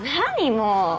もう！